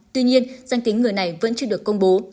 tuy nhiên danh tính người này vẫn chưa được công bố